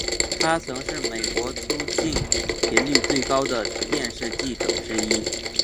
他曾是美国出境频率最高的电视记者之一。